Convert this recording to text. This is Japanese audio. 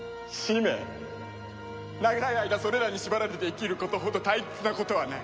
長い間それらに縛られて生きることほど退屈なことはない。